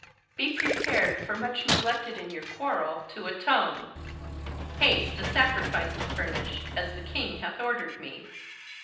HELENA. Be prepared, for mneh neglected in your quarrel, to atone! Haste, a sacrifice to furnish, as the king hath ordered me!